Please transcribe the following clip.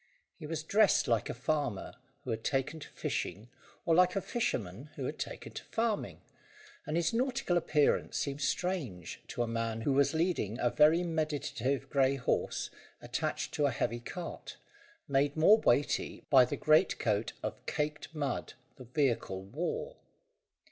He was dressed like a farmer who had taken to fishing or like a fisherman who had taken to farming, and his nautical appearance seemed strange to a man who was leading a very meditative grey horse attached to a heavy cart, made more weighty by the greatcoat of caked mud the vehicle wore.